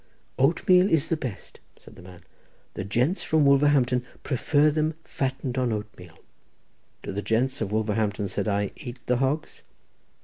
"Oatmeal is the best," said the man; "the gents from Wolverhampton prefer them fattened on oatmeal." "Do the gents of Wolverhampton," said I, "eat the hogs?"